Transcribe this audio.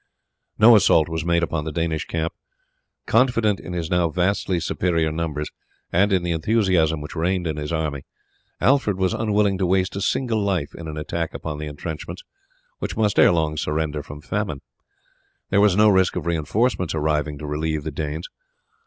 No assault was made upon the Danish camp. Confident in his now vastly superior numbers, and in the enthusiasm which reigned in his army, Alfred was unwilling to waste a single life in an attack upon the entrenchments, which must ere long surrender from famine. There was no risk of reinforcements arriving to relieve the Danes.